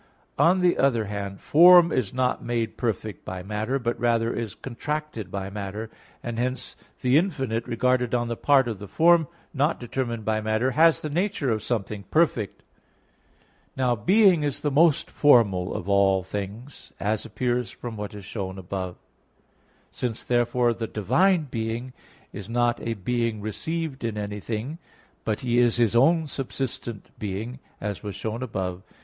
On the other hand, form is not made perfect by matter, but rather is contracted by matter; and hence the infinite, regarded on the part of the form not determined by matter, has the nature of something perfect. Now being is the most formal of all things, as appears from what is shown above (Q. 4, A. 1, Obj. 3). Since therefore the divine being is not a being received in anything, but He is His own subsistent being as was shown above (Q.